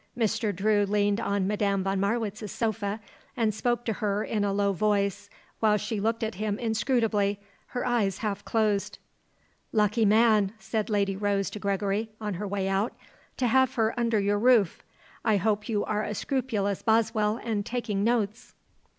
Mr. Drew leaned on Madame von Marwitz's sofa and spoke to her in a low voice while she looked at him inscrutably, her eyes half closed. "Lucky man," said Lady Rose to Gregory, on her way out, "to have her under your roof. I hope you are a scrupulous Boswell and taking notes."